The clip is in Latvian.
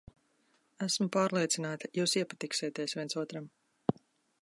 Esmu pārliecināta, jūs iepatiksieties viens otram.